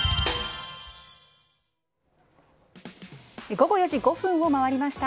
午後４時５分を回りました。